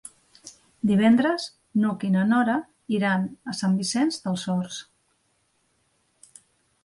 Divendres n'Hug i na Nora iran a Sant Vicenç dels Horts.